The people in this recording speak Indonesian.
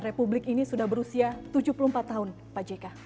republik ini sudah berusia tujuh puluh empat tahun pak jk